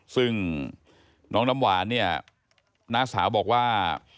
ซึ่งน้องน้ำหวานเนี่ยน้าสาวบอกว่า